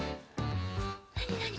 なになに？